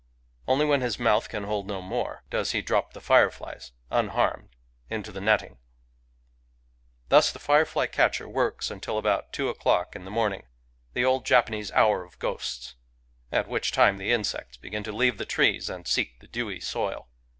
Only when his mouth can hold no more, does he drop the fireflies, unharmed, into the netting. Thus the firefly catcher works until about two o'clock in the morning, — the old Japanese hour of ghostS;j — at which time the insects begin to leave the trees and seek the dewy soil.